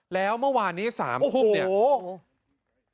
แล้วเมื่อวานนี้๓ทุ่มเนี่ยโอ้โห